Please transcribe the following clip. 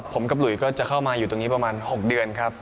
ผมกับหลุยก็จะเข้ามาอยู่ตรงนี้ประมาณ๖เดือนครับ